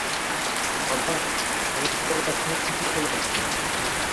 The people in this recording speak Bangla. বাবা, রমেশবাবুর একখানি চিঠি পাইয়াছি।